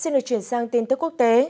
xin được chuyển sang tin tức quốc tế